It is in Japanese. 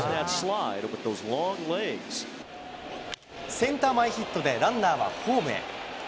センター前ヒットでランナーはホームへ。